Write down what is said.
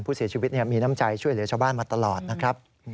ผู้เสียชีวิตมีน้ำใจช่วยเหลือชาวบ้านมาตลอดนะครับ